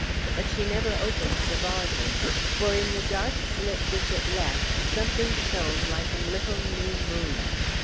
But she never opened the volume, for in the dark slit which it left something shone like a little new moon.